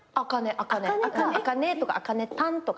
あかねとかあかねたんとか。